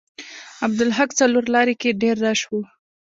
عبدالحق څلور لارې کې ډیر رش و.